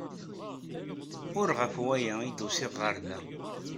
Ur ɣef waya ay d-usiɣ ɣer da.